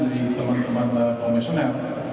dari teman teman komisioner